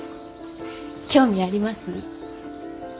興味あります？え？